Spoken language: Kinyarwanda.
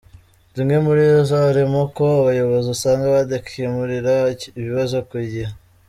Zimwe muri zo harimo ko abayobozi usanga badakemurira ibibazo ku gihe.